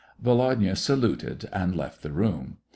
Volodya saluted and left the room.